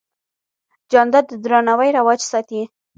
جانداد د درناوي رواج ساتي.